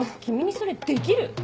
君にそれできる？